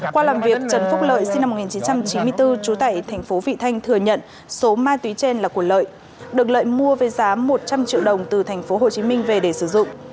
qua làm việc trần phúc lợi sinh năm một nghìn chín trăm chín mươi bốn trú tại thành phố vị thanh thừa nhận số ma túy trên là của lợi được lợi mua với giá một trăm linh triệu đồng từ tp hcm về để sử dụng